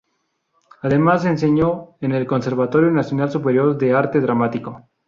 Además, enseñó en el Conservatorio Nacional Superior de Arte Dramático.